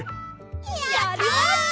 やった！